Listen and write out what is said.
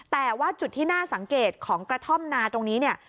แต่ว่าจุดที่น่าสังเกตของกระท่อมนาตรงนี้เนี่ย